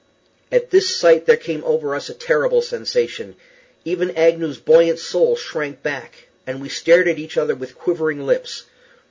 At this sight there came over us a terrible sensation. Even Agnew's buoyant soul shrank back, and we stared at each other with quivering lips.